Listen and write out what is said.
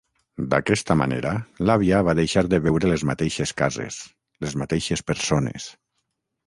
D'aquesta manera l'àvia va deixar de veure les mateixes cases, les mateixes persones.